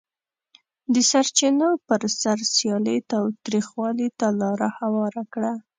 د سرچینو پر سر سیالي تاوتریخوالي ته لار هواره کړه.